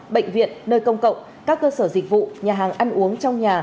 bệnh viện nơi công cộng các cơ sở dịch vụ nhà hàng ăn uống trong nhà